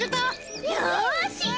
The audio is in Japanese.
よし！